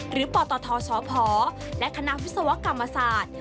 ปตทสพและคณะวิศวกรรมศาสตร์